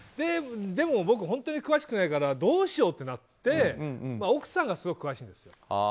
でも、僕本当に詳しくないからどうしようってなって奥さんがすごく詳しいですよ。